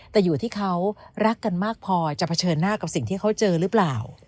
แต่อยู่ที่เขารักกันมากพอจะเผชิญหน้ากับสิ่งที่เขาเจอหรือเปล่า